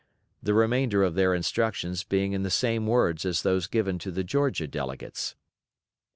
the remainder of their instructions being in the same words as those given to the Georgia delegates.